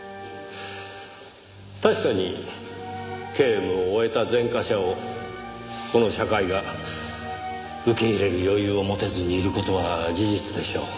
確かに刑務を終えた前科者をこの社会が受け入れる余裕を持てずにいる事は事実でしょう。